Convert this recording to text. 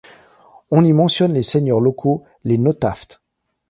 On y mentionne les seigneurs locaux, les Nothaft.